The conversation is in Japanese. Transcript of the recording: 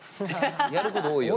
やること多いよね。